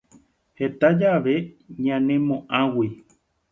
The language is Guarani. Heta jave ñanemoʼag̃ui.